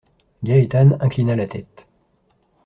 Gaétane inclina la tête.